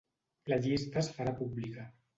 La llista es farà pública.